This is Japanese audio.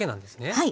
はい。